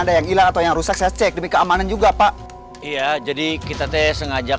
ada yang hilang atau yang rusak saya cek demi keamanan juga pak iya jadi kita teh sengaja